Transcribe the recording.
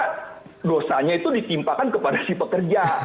karena dosanya itu ditimpakan kepada si pekerja